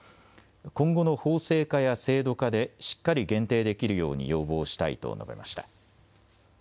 今後の法制化や制度化でしっかり限定できるように要望したいと述べました。